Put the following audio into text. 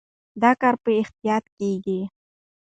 دا کار په احتیاط کېږي.